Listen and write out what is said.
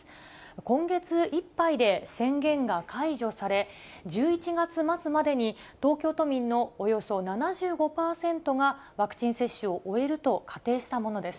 今月いっぱいで宣言が解除され、１１月末までに東京都民のおよそ７５％が、ワクチン接種を終えると仮定したものです。